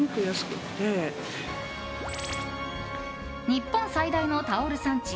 日本最大のタオル産地